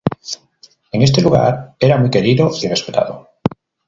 En este lugar, era muy querido y respetado.